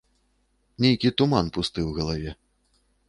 Нейкі туман пусты ў галаве.